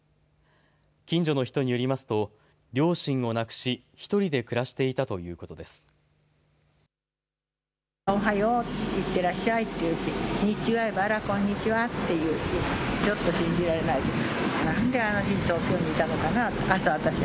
近所の人によりますと両親を亡くし１人で暮らしていたということです。